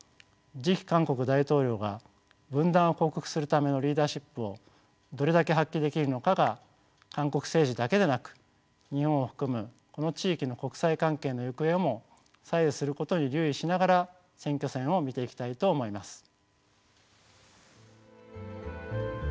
次期韓国大統領が分断を克服するためのリーダシップをどれだけ発揮できるのかが韓国政治だけでなく日本を含むこの地域の国際関係の行方をも左右することに留意しながら選挙戦を見ていきたいと思います。